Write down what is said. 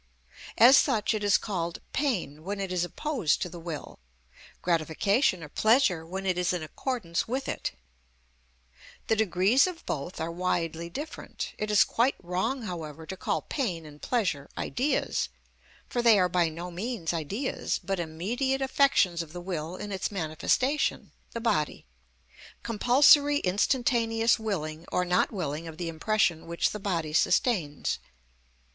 As such it is called pain when it is opposed to the will; gratification or pleasure when it is in accordance with it. The degrees of both are widely different. It is quite wrong, however, to call pain and pleasure ideas, for they are by no means ideas, but immediate affections of the will in its manifestation, the body; compulsory, instantaneous willing or not willing of the impression which the body sustains.